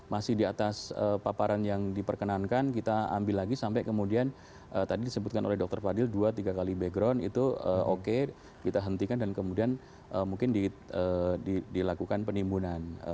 masih di atas paparan yang diperkenankan kita ambil lagi sampai kemudian tadi disebutkan oleh dr fadil dua tiga kali background itu oke kita hentikan dan kemudian mungkin dilakukan penimbunan